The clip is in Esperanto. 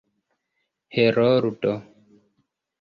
heroldo